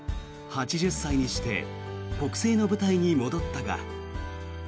８０歳にして国政の舞台に戻ったが。